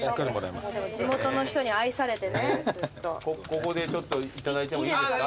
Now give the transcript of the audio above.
ここでちょっといただいてもいいですか？